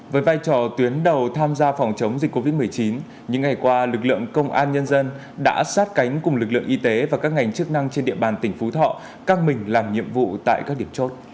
với vai trò tuyến đầu tham gia phòng chống dịch covid một mươi chín những ngày qua lực lượng công an nhân dân đã sát cánh cùng lực lượng y tế và các ngành chức năng trên địa bàn tỉnh phú thọ căng mình làm nhiệm vụ tại các điểm chốt